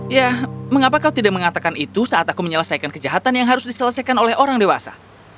ya mengapa kau tidak mengatakan itu saat aku menyelesaikan kejahatan yang harus diselesaikan oleh orang dewasa